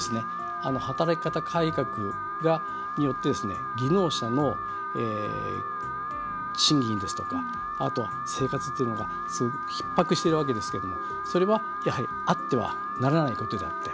働き方改革によって技能者の賃金ですとか生活がすごくひっ迫しているわけですがそれはあってはならないことであって。